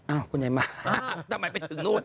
อ้าวคุณแยม่ตามันไปถึงนู่น